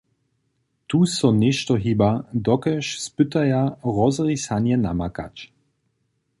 Tu so něšto hiba, dokelž spytaja rozrisanje namakać.